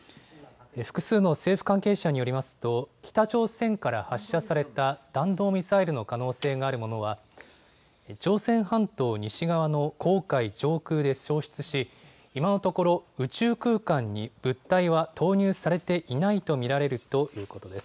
複数の政府関係者によりますと北朝鮮から発射された弾道ミサイルの可能性があるものは朝鮮半島西側の黄海上空で消失し今のところ宇宙空間に物体は投入されていないと見られるということです。